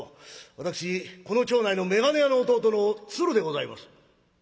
私この町内の眼鏡屋の弟の鶴でございます」。